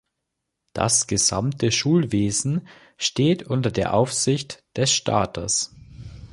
Das gesamte Schulwesen steht unter der Aufsicht des Staates.